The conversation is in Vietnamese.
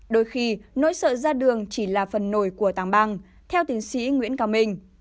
đôi khi nỗi sợ ra đường chỉ là phần nổi của tảng băng theo tiến sĩ nguyễn cao minh